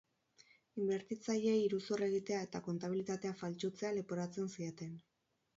Inbertitzaileei iruzur egitea eta kontabilitatea faltsutzea leporatzen zieten.